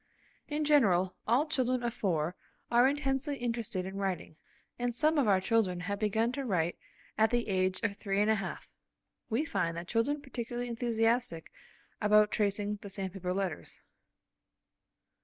In general, all children of four are intensely interested in writing, and some of our children have begun to write at the age of three and a half. We find the children particularly enthusiastic about tracing the sandpaper letters.